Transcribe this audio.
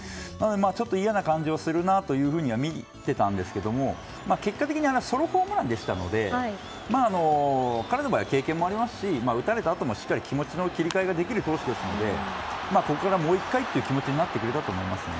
ちょっと嫌な感じがするなと思いながら見てたんですけど結果的にソロホームランでしたので彼の場合は経験もありますし打たれたあともしっかり気持ちの切り替えができる投手ですのでここからもう１回という気持ちになってくれたと思いますね。